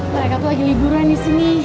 mereka tuh lagi liduran disini